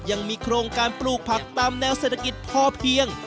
ยังมีโครงการปลูกผักตามแนวเศรษฐกิจพอเพียง